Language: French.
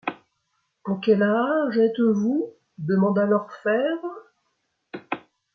En quel aage estes-vous ? demanda l’orphebvre.